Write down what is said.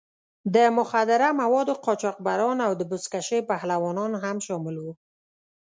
د مخدره موادو قاچاقبران او د بزکشۍ پهلوانان هم شامل وو.